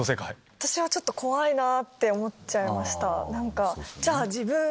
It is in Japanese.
私は怖いなって思っちゃいました。